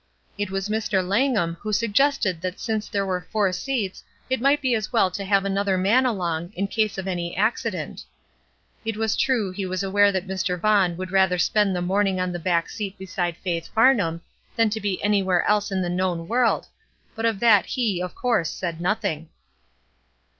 It was Mr. Langham who suggested that since there were four seats it might be as well to have another man along, in case of any accident. It is true he was aware that Mr. Vaughn would rather spend the morning on the back MELINDY 193 seat beside Faith Farnham, than to be any where else in the known world, but of that he, of course, said nothing.